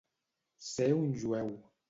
Ser un jueu.